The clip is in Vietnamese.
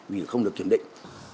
vì không được kiểm định